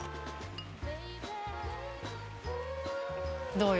どうよ？